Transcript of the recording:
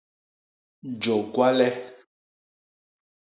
Jô gwale.